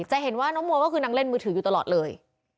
จะเห็นว่าน้องมัวก็คือนางเล่นมือถืออยู่ตลอดเลย